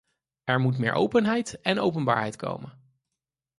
Er moet meer openheid en openbaarheid komen.